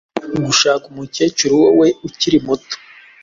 gushaka umukecuru wowe ukiri muto